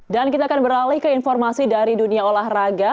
dan kita akan beralih ke informasi dari dunia olahraga